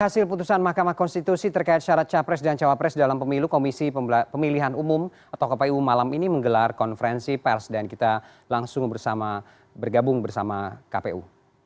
hasil putusan mahkamah konstitusi terkait syarat capres dan cawapres dalam pemilu komisi pemilihan umum atau kpu malam ini menggelar konferensi pers dan kita langsung bergabung bersama kpu